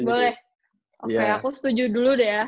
boleh oke aku setuju dulu deh ya